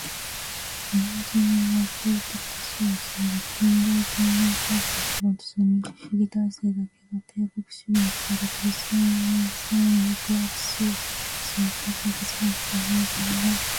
日本人民の圧倒的多数を占める勤労人民大衆を基盤とするこの人民的民主主義体制だけが帝国主義者のくわだてる専制抑圧政治の復活と侵略戦争への野望とを防止し、人民の窮極的解放への道を確実にする。